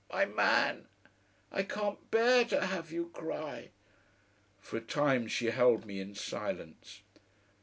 My Man! I can't bear to have you cry!" For a time she held me in silence.